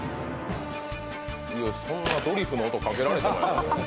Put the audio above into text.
そんなドリフの音かけられても。